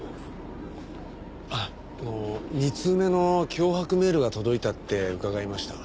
あっ２通目の脅迫メールが届いたって伺いましたが。